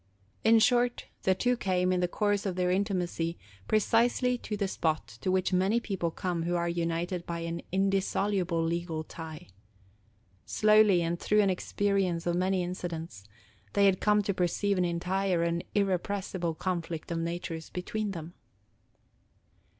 In short, the two came, in the course of their intimacy, precisely to the spot to which many people come who are united by an indissoluble legal tie. Slowly, and through an experience of many incidents, they had come to perceive an entire and irrepressible conflict of natures between them.